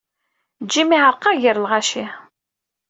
Jim yeɛreq-aɣ gar lɣaci.